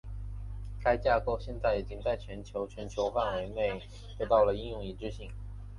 该架构现在已经在全球全球范围内得到应用一致性。